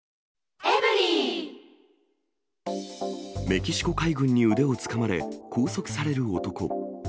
メキシコ海軍に腕をつかまれ、拘束される男。